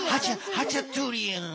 ハチャトゥリアン！